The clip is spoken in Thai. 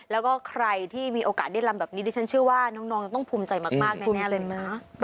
แล้วก็ใครที่มีโอกาสได้ลำแบบนี้ดิฉันเชื่อว่าน้องจะต้องภูมิใจมากแน่เลย